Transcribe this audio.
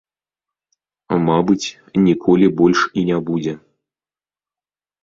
Мабыць, ніколі больш і не будзе.